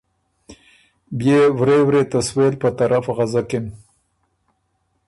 بيې ورے ورے ته سوېل په طرف غزکِن